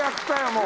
もう。